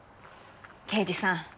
刑事さん